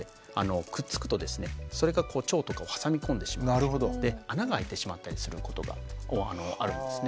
それが腸とかを挟み込んでしまって穴があいてしまったりすることがあるんですね。